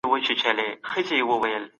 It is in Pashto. کمپيوټر هر ماښام بندېږي.